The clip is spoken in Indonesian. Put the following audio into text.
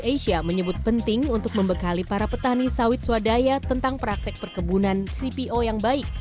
asia menyebut penting untuk membekali para petani sawit swadaya tentang praktek perkebunan cpo yang baik